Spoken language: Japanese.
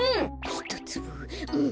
ひとつぶうん！